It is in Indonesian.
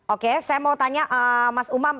oke saya mau tanya mas umam